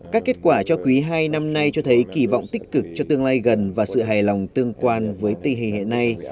các kết quả cho quý ii năm nay cho thấy kỳ vọng tích cực cho tương lai gần và sự hài lòng tương quan với tình hình hệ này